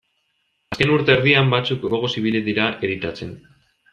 Azken urte erdian batzuk gogoz ibili dira editatzen.